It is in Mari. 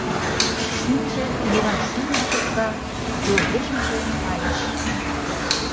Шӱмжӧ мераҥ шӱмла кыртка, йолйыжыҥже кайыш.